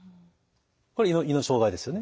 これ胃の障害ですよね。